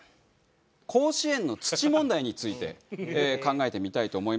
甲子園の土問題について考えてみたいと思います。